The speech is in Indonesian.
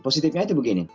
positifnya itu begini